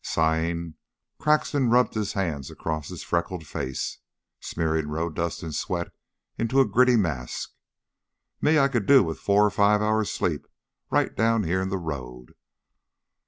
Sighing, Croxton rubbed his hand across his freckled face, smearing road dust and sweat into a gritty mask. "Me I could do with four or five hours' sleep, right down here in the road.